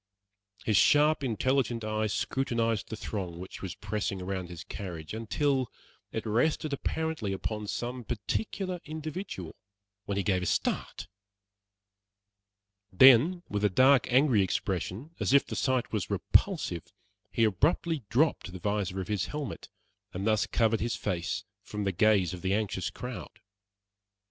His sharp, intelligent eye scrutinized the throng which was pressing around his carriage, until it rested apparently upon some particular individual, when he gave a start; then, with a dark, angry expression, as if the sight was repulsive, he abruptly dropped the visor of his helmet and thus covered his face from the gaze of the anxious crowd.